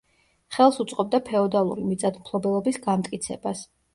ხელს უწყობდა ფეოდალური მიწათმფლობელობის განმტკიცებას.